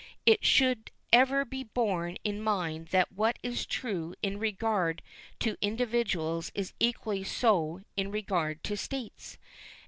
It should ever be borne in mind that what is true in regard to individuals is equally so in regard to states.